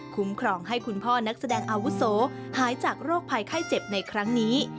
ครองให้คุณพ่อนักแสดงอาวุโสหายจากโรคภัยไข้เจ็บในครั้งนี้